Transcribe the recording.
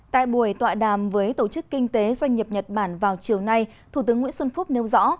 tại buổi tọa đàm với tổ chức kinh tế doanh nghiệp nhật bản vào chiều nay thủ tướng nguyễn xuân phúc nêu rõ